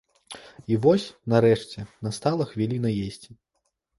І вось, нарэшце, настала хвіліна есці.